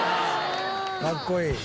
かっこいい。